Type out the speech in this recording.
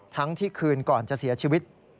ทั้งที่คืนก่อนจะเสียชีวิต